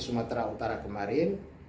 sumatera utara kemarin